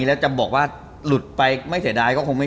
แบบเรียบไปได้เลยนะ